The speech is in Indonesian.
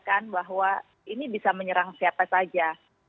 jadi saya rasa bahwa ini bisa menyerang siapa saja